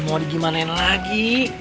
mau digimanain lagi